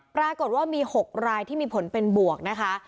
ปรากฏว่ามี๖รายที่มีผลเป็นบวกนะคะ